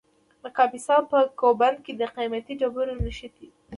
د کاپیسا په کوه بند کې د قیمتي ډبرو نښې دي.